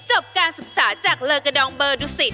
จบการศึกษาจากเลอกระดองเบอร์ดูสิต